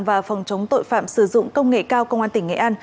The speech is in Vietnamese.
và phòng chống tội phạm sử dụng công nghệ cao công an tỉnh nghệ an